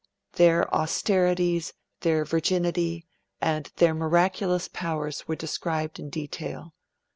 Their austerities, their virginity, and their miraculous powers were described in detail.